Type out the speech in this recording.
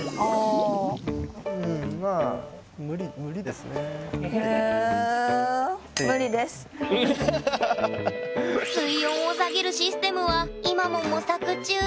とここで水温を下げるシステムは今も模索中。